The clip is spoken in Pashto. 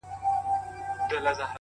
هغې په نيمه شپه ډېـــــوې بلــــي كړې”